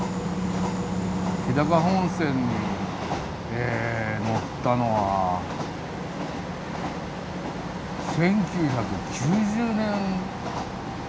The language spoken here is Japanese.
日高本線に乗ったのは１９９０年ぐらいかな。